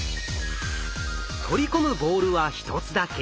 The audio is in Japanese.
取り込むボールは１つだけ。